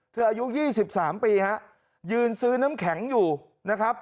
อายุ๒๓ปีฮะยืนซื้อน้ำแข็งอยู่นะครับ